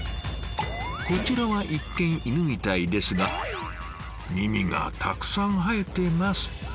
こちらは一見犬みたいですが耳がたくさん生えてます。